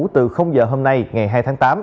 từ giờ hôm nay ngày hai tháng tám